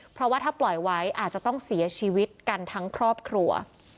เพราะว่าถ้าปล่อยไว้อาจจะต้องเสียชีวิตกันทั้งครอบครัว